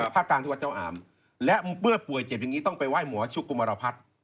ภาคกลางที่วัดเจ้าอามและเมื่อป่วยเจ็บอย่างนี้ต้องไปไหว้หมอชุกกุมารพัฒน์